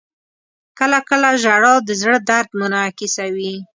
• کله کله ژړا د زړه درد منعکسوي.